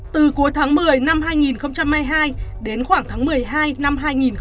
từ cuối tháng một mươi năm hai nghìn hai mươi hai đến khoảng tháng một mươi hai năm hai nghìn hai mươi